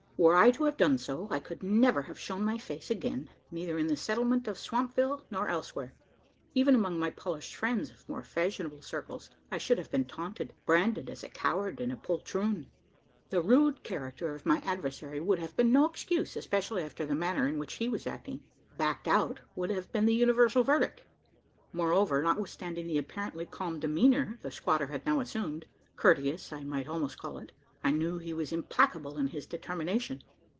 Were I to have done so, I could never have shown my face again neither in the settlement of Swampville, nor elsewhere. Even among my polished friends of more fashionable circles, I should have been taunted branded as a coward and poltroon! The rude character of my adversary would have been no excuse especially after the manner in which he was acting. "Backed out" would have been the universal verdict! Moreover, notwithstanding the apparently calm demeanour the squatter had now assumed courteous I might almost call it I knew he was implacable in his determination.